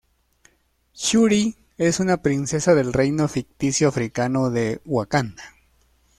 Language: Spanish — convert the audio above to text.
Shuri es una princesa del reino ficticio africano de Wakanda.